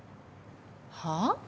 はあ？